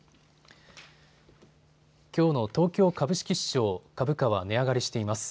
きょうの東京株式市場、株価は値上がりしています。